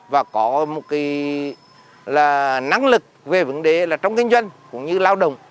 và có một cái năng lực về vấn đề là trong kinh doanh cũng như lao động